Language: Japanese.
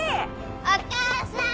お母さん！